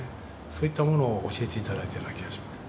そういったものを教えて頂いたような気がします。